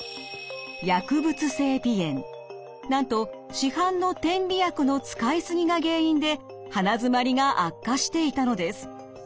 なんと市販の点鼻薬の使いすぎが原因で鼻づまりが悪化していたのです。